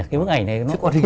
cái bức ảnh này